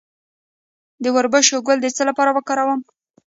د وربشو ګل د څه لپاره وکاروم؟